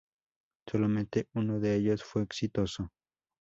Solamente uno de ellos fue exitoso.